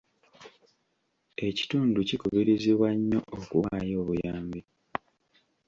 Ekitundu kikubirizibwa nnyo okuwaayo obuyambi.